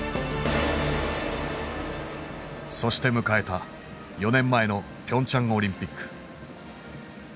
そして迎えた４年前のピョンチャン・オリンピック。